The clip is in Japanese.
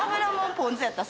ポン酢やったら。